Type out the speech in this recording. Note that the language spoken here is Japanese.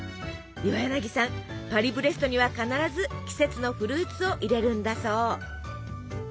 岩柳さんパリブレストには必ず季節のフルーツを入れるんだそう。